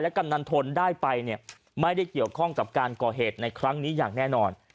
กำนันทนได้ไปเนี่ยไม่ได้เกี่ยวข้องกับการก่อเหตุในครั้งนี้อย่างแน่นอน